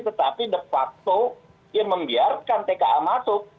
tetapi de facto yang membiarkan tka masuk